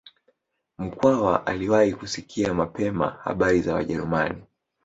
Mkwawa aliwahi kusikia mapema habari za Wajerumani